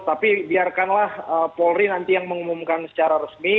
tapi biarkanlah polri nanti yang mengumumkan secara resmi